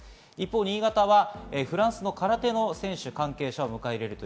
新潟はフランスの空手の選手、関係者を迎え入れます。